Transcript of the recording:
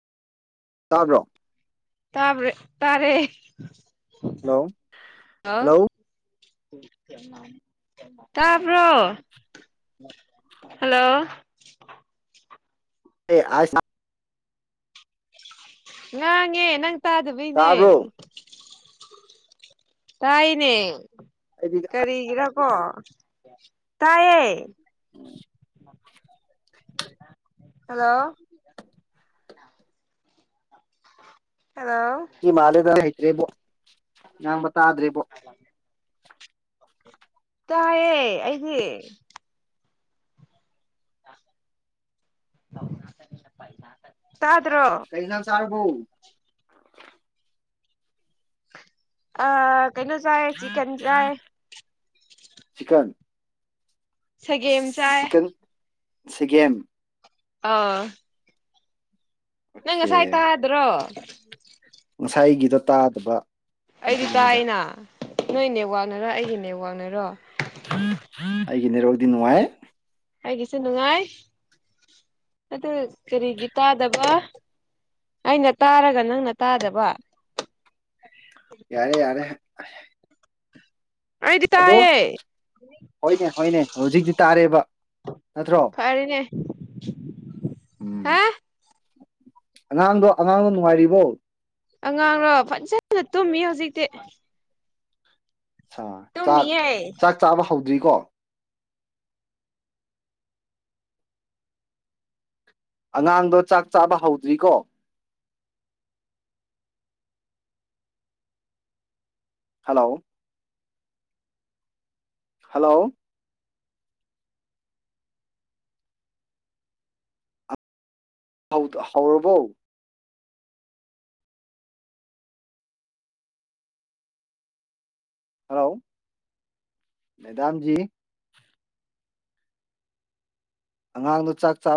ꯇꯥꯕ꯭ꯔꯣ ꯇꯥꯕꯔ ꯇꯥꯔꯦ ꯍꯂꯣ ꯍꯜꯂꯣ ꯇꯔꯕ꯭ꯔꯣ ꯍꯜꯂꯣ [unintelligible] [unintelligible] ꯇꯥꯗꯕꯩꯅꯦ ꯇꯥꯕ꯭ꯔꯣ ꯇꯥꯏꯅꯦ ꯑꯩꯗꯤ ꯀꯔꯤꯒꯤꯔ ꯑꯣ ꯇꯥꯏꯌꯦ ꯎꯝ ꯍꯜꯂꯣ ꯍꯜꯂꯣ ꯃꯥꯂꯦꯗ ꯔꯦꯕꯣ ꯉꯝꯕ ꯇꯥꯗ꯭ꯔꯤꯔꯤꯕꯣ ꯇꯑꯦ ꯑꯩꯗꯤ [inaudible] ꯀꯩꯖꯅ ꯁꯔꯨ ꯐꯎ ꯑ ꯀꯩꯅꯣ ꯆꯥꯏ ꯆꯤꯛꯟ ꯆꯥꯏ ꯆꯤꯀꯟ ꯁꯒꯦꯦꯝ ꯆꯑ ꯁꯤꯀꯤꯦꯝ ꯑꯥ ꯅꯪꯁꯥꯏꯇ ꯍꯥꯏ꯭ꯔꯣ ꯉꯁꯥꯏꯒꯤꯗ ꯇꯥꯗꯕ ꯑꯩꯗꯤ ꯑꯗꯨꯒꯤꯅꯤꯗ ꯇꯥꯏꯅ ꯅꯣꯏꯅꯦ ꯋꯥ ꯋꯥꯅꯔ ꯑꯩꯒꯤꯅꯦ ꯋꯥꯡꯅꯔꯣ ꯑꯩꯒꯤ ꯅꯦꯔꯣꯛꯗꯤ ꯅꯨꯡꯉꯥꯏ ꯑꯩꯒꯤꯁꯨ ꯅꯨꯡꯉꯥꯏ ꯑꯗꯨ ꯀꯔꯤꯒꯤ ꯇꯥꯗꯕ ꯑꯩꯅ ꯇꯥꯔꯒ ꯅꯪꯅ ꯇꯥꯗꯕ ꯌꯥꯔꯦ [inaudible] ꯑꯩꯗꯤ ꯑꯗꯣ ꯇꯥꯏꯌꯦ ꯍꯣꯏꯅꯦ ꯍꯣꯏꯅꯦ ꯍꯧꯖꯤꯛꯇꯤ ꯇꯥꯔꯦꯕ ꯅꯠꯇ꯭ꯔꯣ [inaudible] ꯎꯝ ꯍꯥ ꯑꯉꯥꯡꯗꯣ ꯑꯉꯥꯡꯗꯣ ꯅꯨꯡꯉꯥꯏꯔꯤꯕꯣ ꯑꯉꯥꯡꯔꯣ ꯐꯖꯅ ꯇꯨꯝꯃꯤ ꯍꯧꯖꯤꯛꯇꯤ ꯑ ꯆꯥꯛ ꯇꯨꯝꯃꯤꯌꯦ ꯆꯥꯛ ꯆꯥꯕ ꯍꯧꯗ꯭ꯔꯤꯀꯣ ꯑꯉꯥꯡꯗꯣ ꯆꯥꯛ ꯆꯥꯕ ꯍꯧꯗ꯭ꯔꯤꯀꯣ ꯍꯜꯂꯣ ꯍꯜꯂꯣ ꯍ ꯍꯥꯎꯔꯔꯕꯣ ꯍꯜꯂꯣ ꯃꯦꯗꯥꯝꯖꯤ ꯑꯉꯥꯡꯗꯨ ꯆꯥꯛ ꯆꯥꯛ